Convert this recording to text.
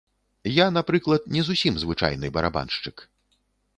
Я, напрыклад, не зусім звычайны барабаншчык.